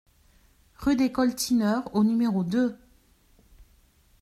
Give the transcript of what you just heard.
Rue des Coltineurs au numéro deux